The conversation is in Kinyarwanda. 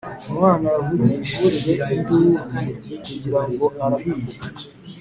Umwana yavugije induru tugirango arahiye